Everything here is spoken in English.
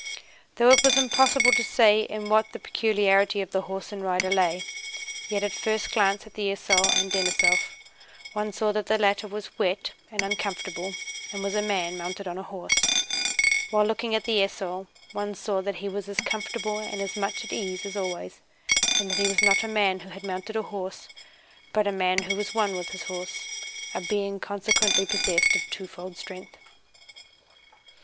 Though it was impossible to say in what the peculiarity of the horse and rider lay, yet at first glance at the esaul and Denísov one saw that the latter was wet and uncomfortable and was a man mounted on a horse, while looking at the esaul one saw that he was as comfortable and as much at ease as always and that he was not a man who had mounted a horse, but a man who was one with his horse, a being consequently possessed of twofold strength.